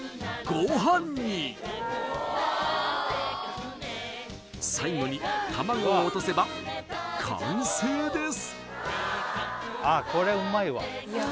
ご飯に最後に卵を落とせば完成です